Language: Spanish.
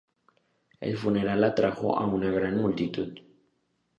El funeral atrajo a una gran multitud.